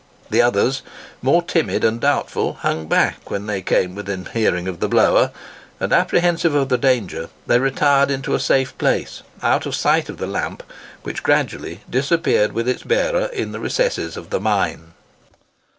The others, more timid and doubtful, hung back when they came within hearing of the blower; and apprehensive of the danger, they retired into a safe place, out of sight of the lamp, which gradually disappeared with its bearer in the recesses of the mine.